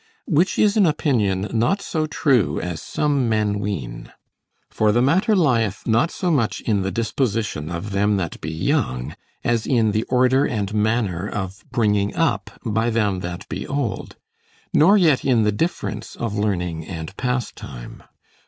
Which is an opinion not so true as some men ween. For the matter lieth not so much in the disposition of them that be young, as in the order and manner of bringing up by them that be old; nor yet in the difference of learning and pastime.